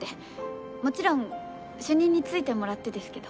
もちろん主任についてもらってですけど。